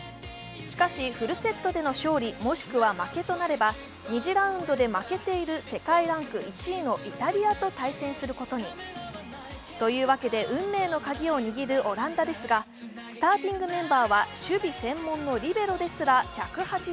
しかしフルセットでの勝利、もしくは負けとなれば２次ラウンドで負けている世界ランク１位のイタリアと対戦することに。というわけで運命の鍵を握るオランダですがスターティングメンバーは守備専門のリベロですら１８２ｃｍ。